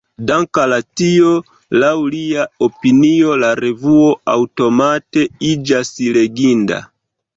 Dank’ al tio, laŭ lia opinio, la revuo aŭtomate iĝas “leginda”.